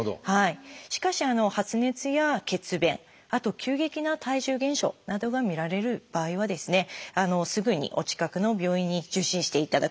しかし発熱や血便あと急激な体重減少などが見られる場合はすぐにお近くの病院に受診していただく。